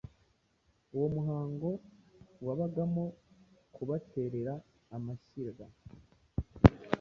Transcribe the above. Uwo muhango wabagamo kubaterera amashyiga